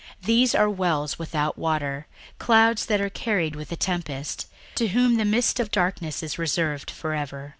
61:002:017 These are wells without water, clouds that are carried with a tempest; to whom the mist of darkness is reserved for ever.